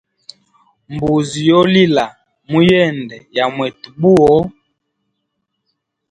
Mbuzi yo lila muyende ya mwetu buwo.